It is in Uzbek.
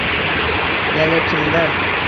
Yana — kimdan!